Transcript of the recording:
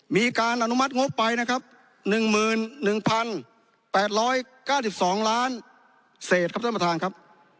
มีการอนุมัติงบไปนะครับ๑๑๘๙๒ล้านเศษครับท่านประธานครับ